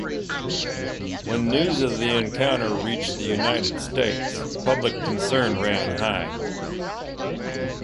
When news of the encounter reached the United States, public concern ran high.